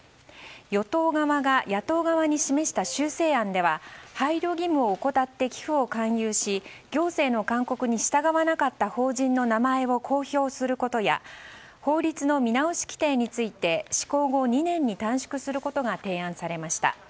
与党側が野党側に示した修正案では配慮義務を怠って寄付を勧誘し行政の勧告に従わなかった法人の名前を公表することや法律の見直し規定について施行後２年に短縮することが提案されました。